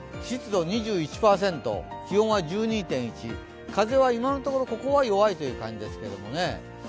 湿度２１％、気温は１２．１、風は今のところ、ここは弱いという感じですかね。